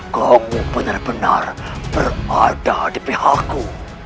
kau benar benar berada di pihakku